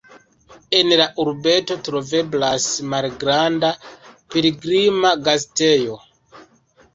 En la urbeto troveblas malgranda pilgrima gastejo.